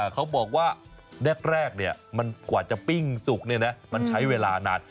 เขาบอกว่าแรกกว่าจะปิ้งสุกมันใช้เวลานาน